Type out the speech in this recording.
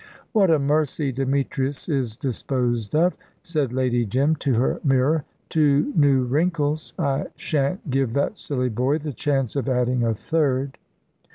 "What a mercy Demetrius is disposed of!" said Lady Jim, to her mirror. "Two new wrinkles. I shan't give that silly boy the chance of adding a third."